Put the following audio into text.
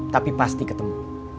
tapi pasti ketemu